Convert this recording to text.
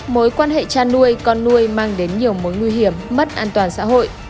mối quan hệ chăn nuôi con nuôi mang đến nhiều mối nguy hiểm mất an toàn xã hội